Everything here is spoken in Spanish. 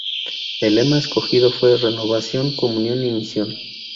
El lema escogido fue: Renovación, comunión y misión.